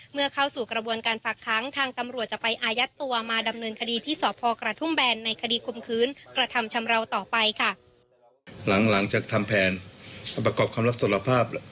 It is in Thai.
เมื่อเข้าสู่กระบวนการฝากค้างทางตำรวจจะไปอายัดตัวมาดำเนินคดีที่สพกระทุ่มแบนในคดีคมคืนกระทำชำราวต่อไปค่ะ